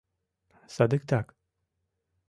Садиктак